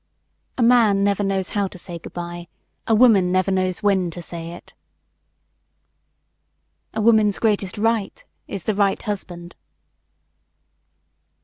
A man never knows how to say goodby; a woman never knows when to say it. A woman's greatest "right" is the right husband.